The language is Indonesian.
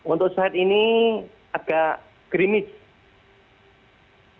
untuk saat ini agak gerimis